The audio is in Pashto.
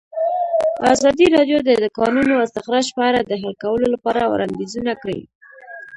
ازادي راډیو د د کانونو استخراج په اړه د حل کولو لپاره وړاندیزونه کړي.